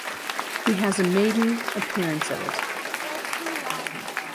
He has maiden appearance of it.